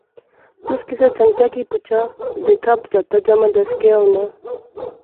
تس کسا جنگتا کی پُچھا دیکھا پچہتر جمع دس کے ہونا